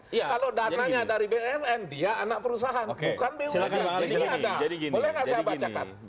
kalau dananya dari bumn dia anak perusahaan bukan bumn